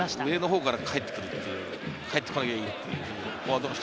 上のほうから帰ってくるという。